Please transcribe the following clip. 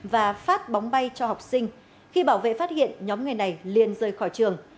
và phát bóng bay cho học sinh khi bảo vệ phát hiện nhóm người này liền rơi khỏi trường